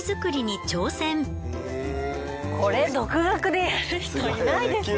これ独学でやる人いないですよね。